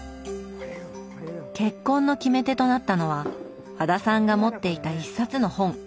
結婚の決め手となったのは和田さんが持っていた一冊の本。